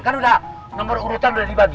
kan udah nomor urutan udah dibagi